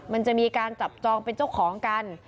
มันจะมีการจับจองเป็นเจ้าของกัน